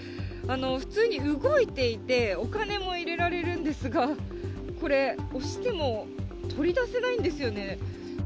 普通に動いていて、お金も入れられるんですが、これ、押しても取り出せないですね。